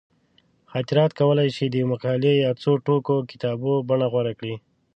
خاطرات کولی شي د یوې مقالې یا څو ټوکه کتابونو بڼه غوره کړي.